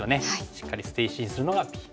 しっかり捨て石にするのがＢ。